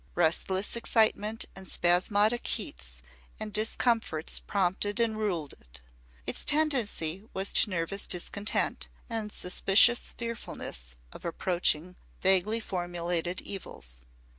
Restless excitement and spasmodic heats and discomforts prompted and ruled it. Its tendency was to nervous discontent and suspicious fearfulness of approaching, vaguely formulated, evils.